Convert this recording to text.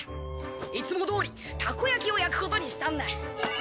いつもどおりたこやきを焼くことにしたんだ。